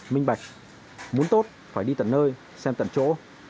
minh bạch muốn tốt phải đi tận nơi xem tận chỗ